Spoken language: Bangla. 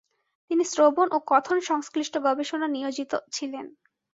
তিনি শ্রবণ ও কথন সংশ্লিষ্ট গবেষণা নিয়োজিত ছিলেন।